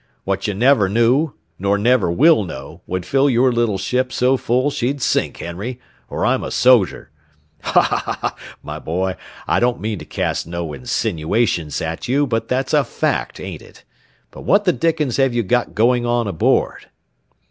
What you never knew, nor never will know, would fill your little ship so full she'd sink, Henry, or I'm a soger. Ha, ha, hah! my boy; I don't mean to cast no insinuations at you, but that's a fact, ain't it? But what the dickens have you got going on aboard?"